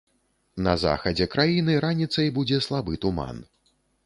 На захадзе краіны раніцай будзе слабы туман.